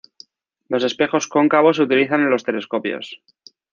Los espejos cóncavos se utilizan en los telescopios.